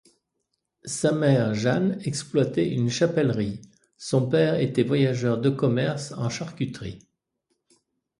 Sa mère Jeanne exploitait une chapellerie; son père était voyageur de commerce en charcuterie.